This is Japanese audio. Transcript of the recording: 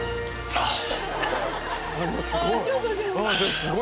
すごい！